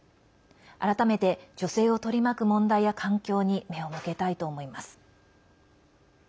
改めて女性を取り巻く問題や環境に目を向けたいと思います。